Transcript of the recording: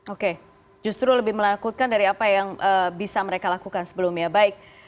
oke justru lebih menakutkan dari apa yang bisa mereka lakukan sebelumnya